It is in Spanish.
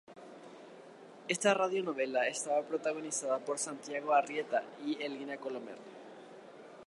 Esta radionovela estaba protagonizada por Santiago Arrieta y Elina Colomer.